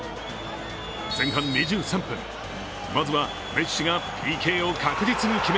前半２３分、まずはメッシがＰＫを確実に決め